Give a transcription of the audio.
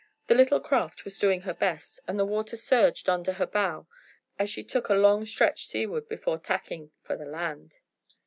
The little craft was doing her best, and the water surged under her bow as she took a long stretch seaward, before tacking for the land.